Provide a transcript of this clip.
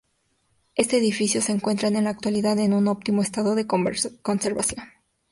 Este edificio se encuentra en la actualidad en un óptimo estado de conservación.